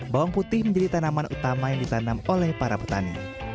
bawang putih menjadi tanaman utama yang ditanam oleh para petani